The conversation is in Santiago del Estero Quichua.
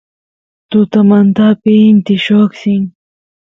tutamantapi inti lloqsin